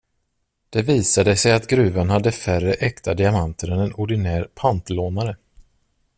Det visade sig att gruvan hade färre äkta diamanter än en ordinär pantlånare.